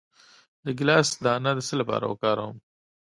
د ګیلاس دانه د څه لپاره وکاروم؟